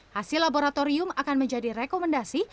hasil laboratorium akan menjadi rekomendasi